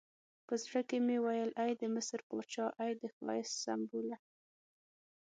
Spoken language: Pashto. په زړه کې مې ویل ای د مصر پاچا، ای د ښایست سمبوله.